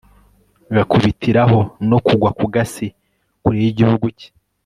agakubitiraho no kugwa ku gasi, kure y'igihugu cye